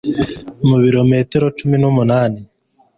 mu bilometero cumi numunani